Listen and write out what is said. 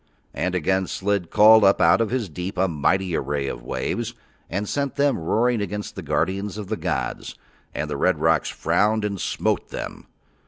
And again Slid called up out of his deep a mighty array of waves and sent them roaring against the guardians of the gods, and the red rocks frowned and smote them.